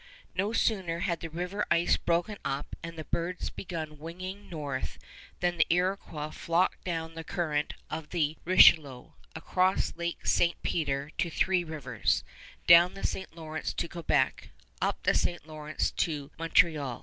No sooner had the river ice broken up and the birds begun winging north than the Iroquois flocked down the current of the Richelieu, across Lake St. Peter to Three Rivers, down the St. Lawrence to Quebec, up the St. Lawrence to Montreal.